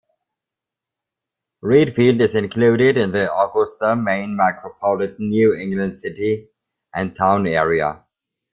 Readfield is included in the Augusta, Maine micropolitan New England City and Town Area.